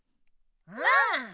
うん！